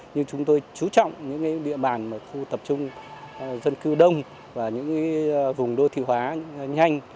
nhưng chúng tôi chú trọng những địa bàn khu tập trung dân cư đông và những vùng đô thị hóa nhanh